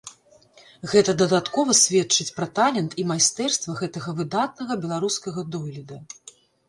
Гэта дадаткова сведчыць пра талент і майстэрства гэтага выдатнага беларускага дойліда.